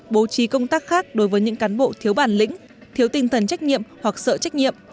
bố trí công tác khác đối với những cán bộ thiếu bản lĩnh thiếu tinh thần trách nhiệm hoặc sợ trách nhiệm